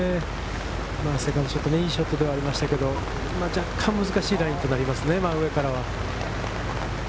セカンドショット、いいショットではありましたけど、若干難しいラインとなりますね、真上からは。